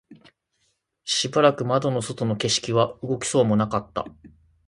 しばらく窓の外の景色は動きそうもなかった